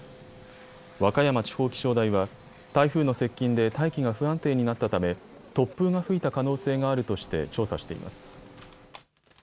和歌山地方気象台は台風の接近で大気が不安定になったため突風が吹いた可能性があるとして調査しています。